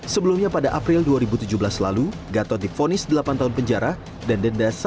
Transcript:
sebelumnya pada april dua ribu tujuh belas lalu gatot difonis delapan tahun penjara dan denda satu tahun